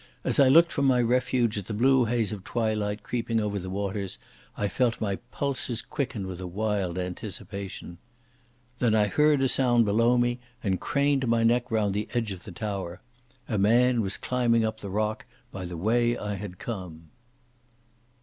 As I looked from my refuge at the blue haze of twilight creeping over the waters, I felt my pulses quicken with a wild anticipation. Then I heard a sound below me, and craned my neck round the edge of the tower. A man was climbing up the rock by the way I had come.